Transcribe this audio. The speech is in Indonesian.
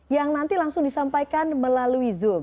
yang nanti langsung disampaikan melalui zoom